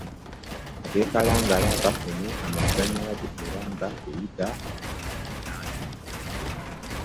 Ab'e Kalangala bafunye amasannyalaze era ga kuyita mu nnyanja